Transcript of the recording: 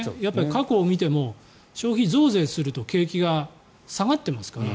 過去を見ても消費増税すると景気が下がってますから。